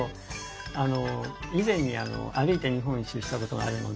あの以前に歩いて日本一周したことがあるので。